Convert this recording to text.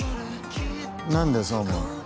何でそう思う？